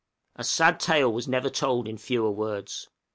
A sad tale was never told in fewer words.